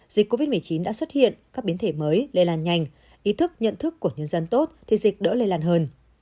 dịch covid một mươi chín đã xuất hiện các biến thể mới lây lan nhanh ý thức nhận thức của nhân dân tốt thì dịch đỡ lây lan hơn